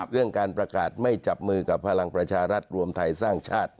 เรื่องการประกาศไม่จับมือกับพลังประชารัฐรวมไทยสร้างชาติ